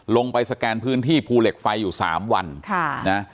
ลงไปสแกนพื้นที่ภูเหล็กไฟอยู่๓วันค่ะนะ